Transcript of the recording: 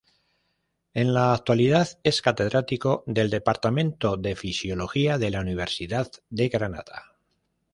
En la actualidad es catedrática del Departamento de Fisiología de la Universidad de Granada.